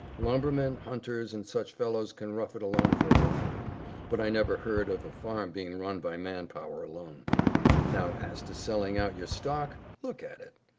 Lumbermen, hunters, and such fellows can rough it alone awhile, but I never heard of a farm being run by man power alone. Now as to selling out your stock, look at it.